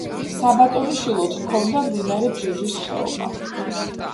საბატონიშვილოდ ჰქონდა მდინარე ბჟუჟის ხეობა.